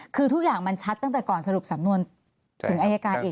คือทุกอย่างมันชัดตั้งแต่ก่อนสรุปสำนวนถึงอายการอีก